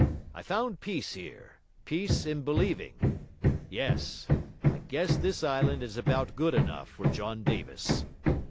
I found peace here, peace in believing. Yes, I guess this island is about good enough for John Davis.'